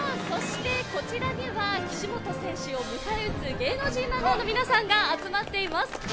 そしてこちらには、岸本選手を迎え撃つ芸能人ランナーの皆さんが集まっています。